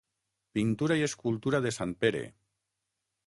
Pintura i escultura de Sant Pere.